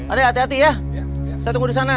adek hati hati ya saya tunggu disana